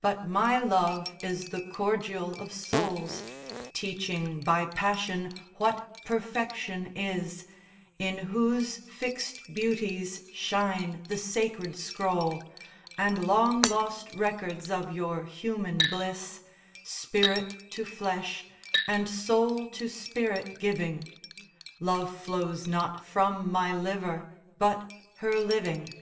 But my love is the cordial of souls, Teaching by passion what perfection is, In whose fix'd beauties shine the sacred scroll, And long lost records of your human bliss, Spirit to flesh, and soul to spirit giving, Love flows not from my liver but her living.